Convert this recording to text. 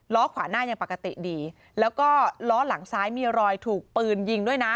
ขวาหน้ายังปกติดีแล้วก็ล้อหลังซ้ายมีรอยถูกปืนยิงด้วยนะ